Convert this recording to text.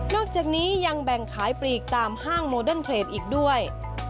อกจากนี้ยังแบ่งขายปลีกตามห้างโมเดิร์นเทรดอีกด้วย